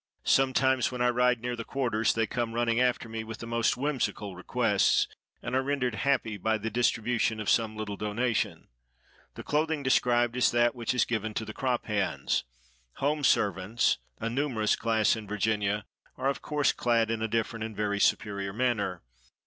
Sometimes, when I ride near the quarters, they come running after me with the most whimsical requests, and are rendered happy by the distribution of some little donation. The clothing described is that which is given to the crop hands. Home servants, a numerous class in Virginia, are of course clad in a different and very superior manner.